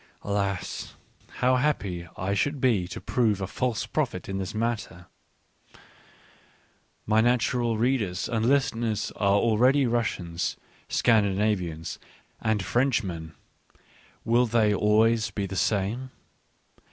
Alas ! how happy I should be to prove a false prophet in this matter ! My natural readers and listeners are already Rus sians, Scandinavians, and Frenchmen — will they always be the same